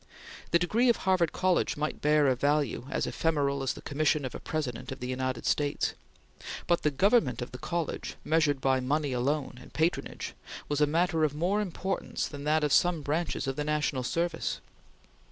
The degree of Harvard College might bear a value as ephemeral as the commission of a President of the United States; but the government of the college, measured by money alone, and patronage, was a matter of more importance than that of some branches of the national service.